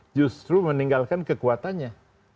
justru meninggalkan kekuatannya